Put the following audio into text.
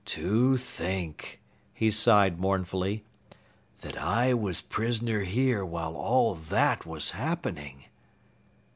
"To think," he sighed mournfully, "that I was prisoner here while all that was happening!"